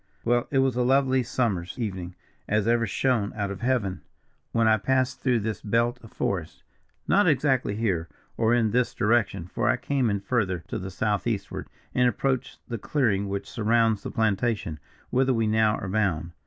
"Well, it was a lovely summer's evening, as ever shone out of Heaven, when I passed through this belt of forest; not exactly here, or in this direction, for I came in farther to the southeastward, and approached the clearing which surrounds the plantation, whither we now are bound.